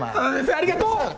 ありがとう！